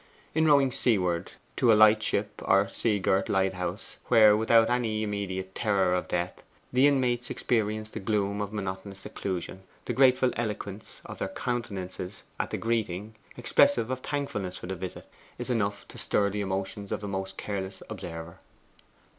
In rowing seaward to a light ship or sea girt lighthouse, where, without any immediate terror of death, the inmates experience the gloom of monotonous seclusion, the grateful eloquence of their countenances at the greeting, expressive of thankfulness for the visit, is enough to stir the emotions of the most careless observer.